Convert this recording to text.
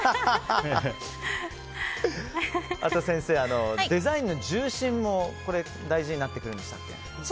先生、デザインの重心も大事になってくるんでしたっけ。